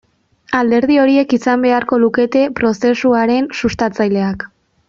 Alderdi horiek izan beharko lukete prozesuaren sustatzaileak.